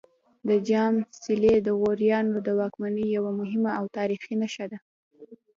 د جام څلی د غوریانو د واکمنۍ یوه مهمه او تاریخي نښه ده